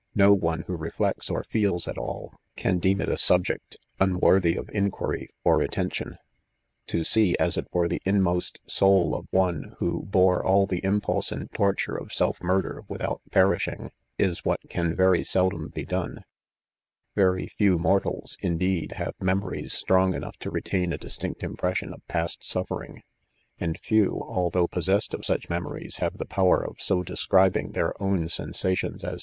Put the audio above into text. no one who reflects or feeb at all can deem it a subject unworthy of inquiry ov attention. To see, as it were, the inmost Goal of one who bore nil the impulse and torture of self murder without perishing * is what can very seldom be done : Very few mortals^ ia fdeed, have memories strong enough to retain a distinci | Impression of past suffering ; and few, although possessed J qf such, memories, have the power of so describing their i . ,/m. ;:, i. Li!;: l | ieLi.". i !